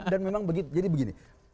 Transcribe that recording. dan memang jadi begini